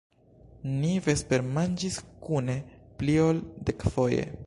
Ni vespermanĝis kune pli ol dekfoje!